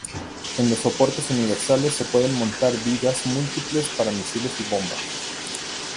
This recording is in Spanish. En los soportes universales se pueden montar vigas múltiples para misiles y bombas.